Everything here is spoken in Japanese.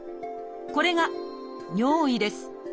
これが尿意です。